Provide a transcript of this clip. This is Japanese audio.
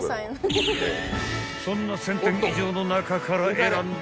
［そんな１，０００点以上の中から選んだ］